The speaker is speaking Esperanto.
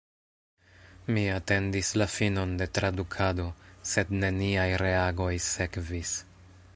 Mi atendis la finon de tradukado – sed neniaj reagoj sekvis.